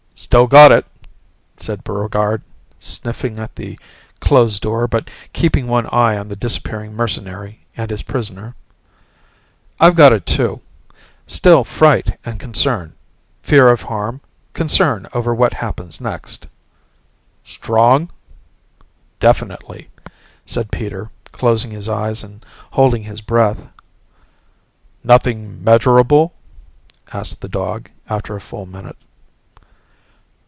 "Still got it," said Buregarde, sniffing at the closed door but keeping one eye on the disappearing mercenary and his prisoner. "I've got it, too. Still fright and concern: fear of harm, concern over what happens next." "Strong?" "Definitely," said Peter closing his eyes and holding his breath. "Nothing measurable?" asked the dog after a full minute.